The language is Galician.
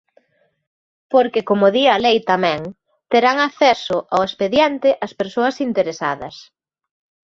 Porque, como di a lei tamén, terán acceso ao expediente as persoas interesadas.